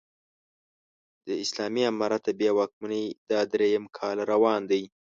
د اسلامي امارت د بيا واکمنۍ دا درېيم کال روان دی